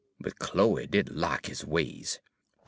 But Chloe did n' lack his ways.